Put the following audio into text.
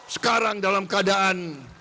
sekarang dalam keadaan